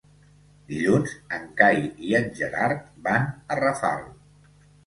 Dilluns en Cai i en Gerard van a Rafal.